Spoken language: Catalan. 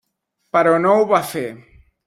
Però no ho va fer.